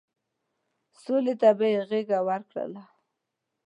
سولې ته به يې غېږه ورکوله.